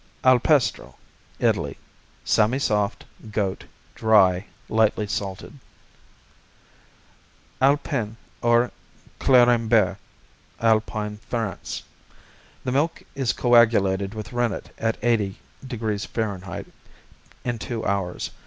Alpestro Italy Semisoft; goat; dry; lightly salted. Alpin or Clérimbert Alpine France The milk is coagulated with rennet at 80° F. in two hours.